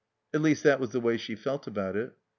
At least that was the way she felt about it.